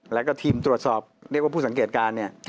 แล้วก็ทีมตรวจสอบเรียกว่าผู้สังเกตการณ์เนี่ย